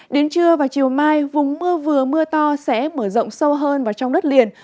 đến trưa và chiều mai vùng mưa vừa mưa to sẽ mở rộng sâu hơn vào trong đất liền